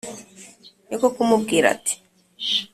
niko kumubwira ati